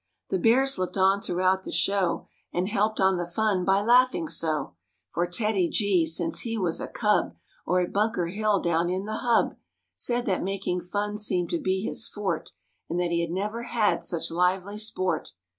The Bears looked on throughout the show And helped on the fun by laughing so For TEDDY G, since he was a cub, Or at Bunker Hill down in the Hub, Said that making fun seemed to be his forte And that he never had such lively sport.